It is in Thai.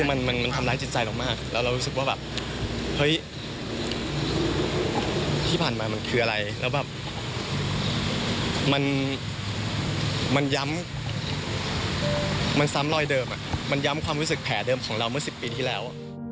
มันมันทำร้ายจิตใจเรามากแล้วเรารู้สึกว่าแบบเฮ้ยที่ผ่านมามันคืออะไรแล้วแบบมันย้ำมันซ้ำรอยเดิมมันย้ำความรู้สึกแผลเดิมของเราเมื่อ๑๐ปีที่แล้ว